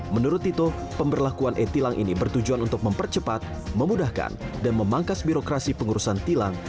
menurut tito pemberlakuan e tilang ini bertujuan untuk mempercepat memudahkan dan memangkas birokrasi pengurusan tilang